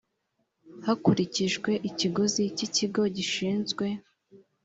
hakurikijwe ikiguzi cy ikigo gishinzwe